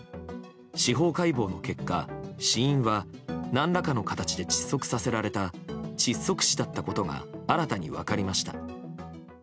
司法解剖の結果、死因は何らかの形で窒息させられた窒息死だったことが新たに分かりました。